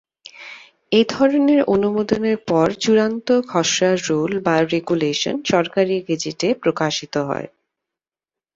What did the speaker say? এধরনের অনুমোদনের পর চূড়ান্ত খসড়া রুল বা রেগুলেশন সরকারি গেজেটে প্রকাশিত হয়।